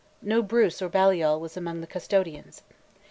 No Bruce or Baliol was among the Custodians.